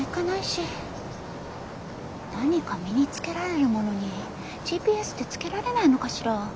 何か身につけられるものにＧＰＳってつけられないのかしら？